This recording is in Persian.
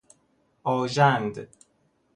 آژند